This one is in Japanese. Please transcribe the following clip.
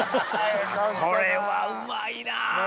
これはうまいな！